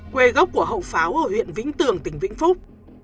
quê gốc của hậu pháo ở huyện vĩnh tường tỉnh vĩnh phúc